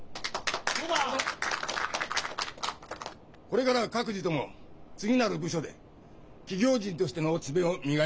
これからは各自とも次なる部署で企業人としての爪を磨いてくれたまえ。